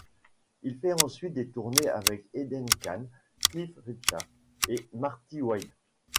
Il fait ensuite des tournées avec Eden Kane, Cliff Richard et Marty Wilde.